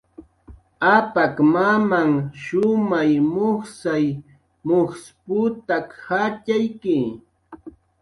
Apak mamanh shumay mujsay mujsw putak jatxayki